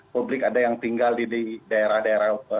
publik ada yang tinggal di daerah daerah